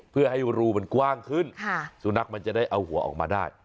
เพื่อให้รูมันกว้างขึ้นสุนัขมันจะได้เอาหัวออกมาได้